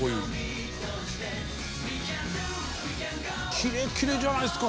キレキレじゃないっすか。